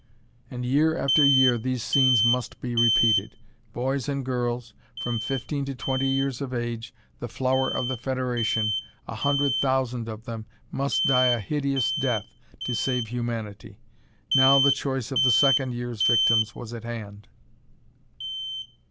And year after year these scenes must be repeated. Boys and girls, from fifteen to twenty years of age, the flower of the Federation, a hundred thousand of them, must die a hideous death to save humanity. Now the choice of the second year's victims was at hand.